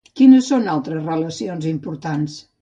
Quines són altres relacions importants?